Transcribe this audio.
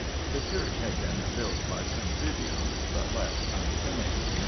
The church had been "built by some tribune," but left unfinished.